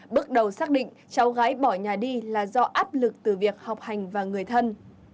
bước đầu xác định cháu gái bỏ nhà đi là do áp lực từ việc học hành và người thân